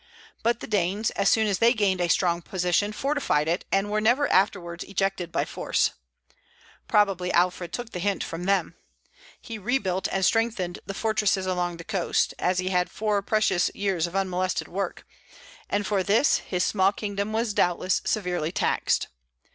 But the Danes, as soon as they gained a strong position, fortified it, and were never afterwards ejected by force. Probably Alfred took the hint from them. He rebuilt and strengthened the fortresses along the coast, as he had four precious years of unmolested work; and for this his small kingdom was doubtless severely taxed.